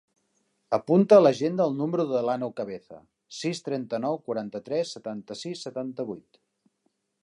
Apunta a l'agenda el número de l'Àneu Cabeza: sis, trenta-nou, quaranta-tres, setanta-sis, setanta-vuit.